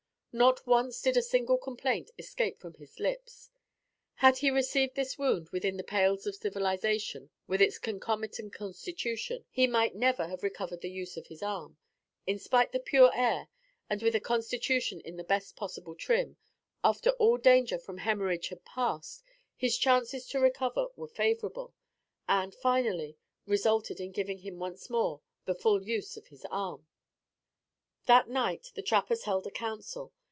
Not once did a single complaint escape from his lips. Had he received this wound within the pales of civilization with its concomitant constitution, he might never have recovered the use of his arm. In the pure air, and with a constitution in the best possible trim, after all danger from hemorrhage had passed, his chances to recover were favorable; and, finally, resulted in giving him once more, the full use of his arm. That night the trappers held a council.